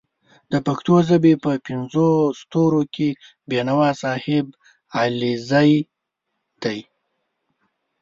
د پښتو ژبې په پینځو ستورو کې بېنوا صاحب علیزی دی